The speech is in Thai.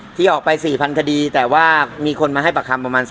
ชุดนั่นแหละสิบพันท่านีที่ออกไปแต่ว่ามีคนมาให้ประคัม๓๐๐กว่าคน